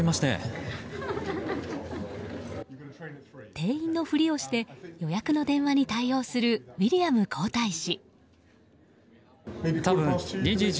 店員のふりをして予約の電話に対応するウィリアム皇太子。